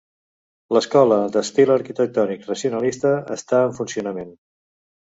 L'escola, d'estil arquitectònic racionalista, està en funcionament.